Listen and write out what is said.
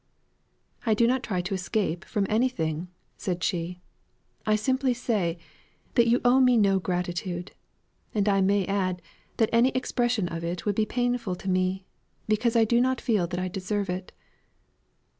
"I do not try to escape from anything," said she. "I simply say, that you owe me no gratitude; and I may add, that any expression of it will be painful to me, because I do not feel that I deserve it.